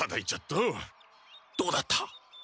どうだった？